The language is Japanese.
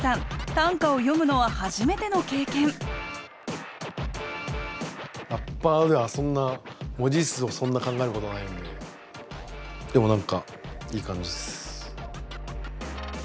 短歌を詠むのは初めての経験ラッパーではそんな文字数をそんな考えることがないんででも何かいい感じっす。